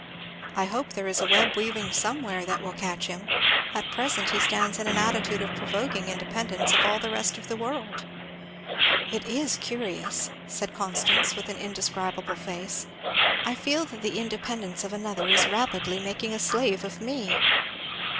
I hope there is a web weaving somewhere that will catch him at present he stands in an attitude of provoking independence of all the rest of the world. It is curious!" said Constance with an indescribable face, "I feel that the independence of another is rapidly making a slave of me!